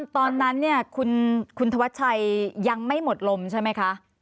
ตอนนั้นเนี่ยคุณธวัชชัยยังไม่หมดลมใช่ไหมคะ